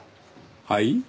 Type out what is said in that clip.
はい？